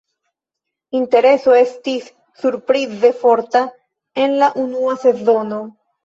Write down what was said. Intereso estis surprize forta en la unua sezono.